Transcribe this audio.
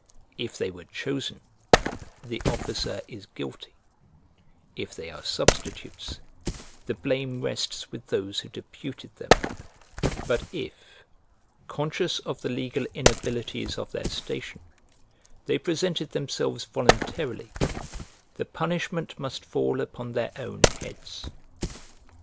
If they were chosen, the officer is guilty; if they are substitutes, the blame rests with those who deputed them; but if, conscious of the legal inabilities of their station, they presented themselves voluntarily, the punishment must fall upon their own heads.